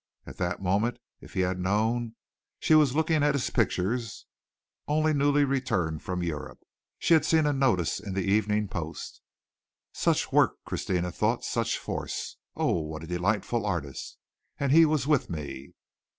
At that moment, if he had known, she was looking at his pictures, only newly returned from Europe. She had seen a notice in the Evening Post. "Such work!" Christina thought, "such force! Oh, what a delightful artist. And he was with me."